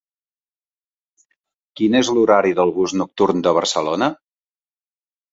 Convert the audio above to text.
Quin és l'horari del bus nocturn de Barcelona?